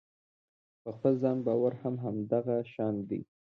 په خپل ځان باور هم همدغه شان دی.